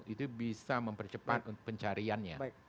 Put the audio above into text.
itu bisa mempercepat pencariannya